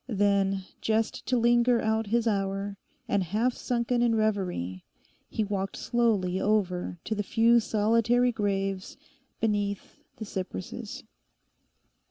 Then, just to linger out his hour, and half sunken in reverie, he walked slowly over to the few solitary graves beneath the cypresses.